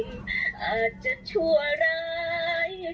อาจจะชั่วร้าย